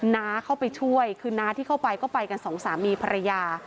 น้าเข้าไปช่วยคือน้าที่เข้าไปก็ไปกันสองสามีภรรยา